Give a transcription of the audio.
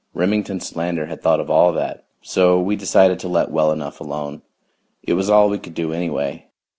Remington Solander had thought of all that. So we decided to let well enough alone it was all we could do anyway.